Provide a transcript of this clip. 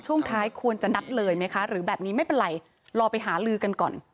ช่วงท้ายควรจะนัดเลยไหมคะหรือแบบนี้ไม่เป็นไรรอไปหาลือกันก่อน